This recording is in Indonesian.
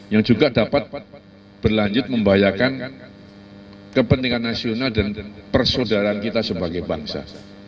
yang juga dapat berlanjut membahayakan kepentingan nasional dan persaudaraan kita sebagai bangsa